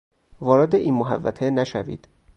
وارد این محوطه نشوید!